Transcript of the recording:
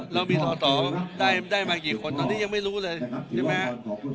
เรามีสอสอได้มากี่คนตอนนี้ยังไม่รู้เลยใช่ไหมครับ